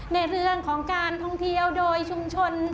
ในเรื่องของการท่องเที่ยวโดยชุมชน